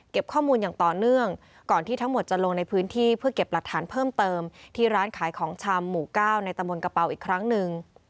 ข้อมูลอย่างต่อเนื่องก่อนที่ทั้งหมดจะลงในพื้นที่เพื่อเก็บหลักฐานเพิ่มเติมที่ร้านขายของชำหมู่เก้าในตะมนต์กระเป๋าอีกครั้งหนึ่ง